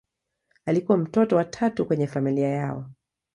Alikuwa mtoto wa tatu kwenye familia yao.